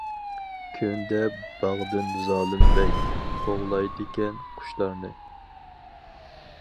كۈندە باغدىن زالىم بەگ، قوغلايدىكەن قۇشلارنى.